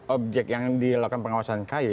objek yang dilakukan pengawasan kayu